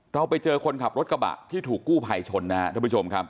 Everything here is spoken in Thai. เราไปเจอคนขับรถกระบะที่ถูกกู้ไพชนทีนะค่ะท่านผู้ชมค่ะ